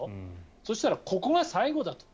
そうしたらここが最後だと。